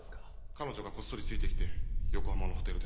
彼女がこっそりついてきて横浜のホテルで会って。